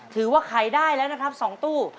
ถือว่าขายได้แล้วนะครับ๒ตู้